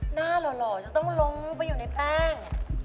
หล่อจะต้องลงไปอยู่ในแป้ง